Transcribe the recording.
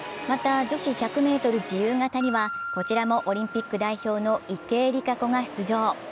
また女子１００ｍ自由形にはこちらもオリンピック代表の池江璃花子が出場。